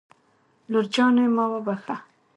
لور جانې ما وبښه